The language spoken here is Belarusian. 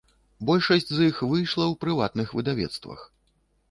Большасць з іх выйшла ў прыватных выдавецтвах.